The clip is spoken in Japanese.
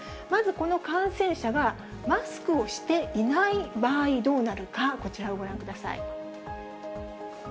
まずこの感染者が、マスクをしていない場合、どうなるか、こちらをご覧ください。